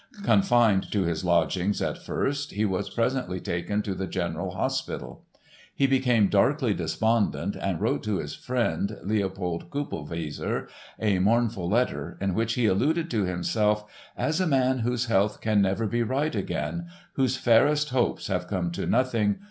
Confined to his lodgings at first he was presently taken to the General Hospital. He became darkly despondent and wrote to his friend, Leopold Kupelwieser, a mournful letter in which he alluded to himself as "a man whose health can never be right again ... whose fairest hopes have come to nothing